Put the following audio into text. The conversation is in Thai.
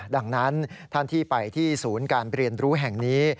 ดังนั้นท่านที่ไปที่ศูนย์การเรียนรู้แห่งนี้